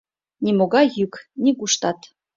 Нимогай йӱк — нигуштат.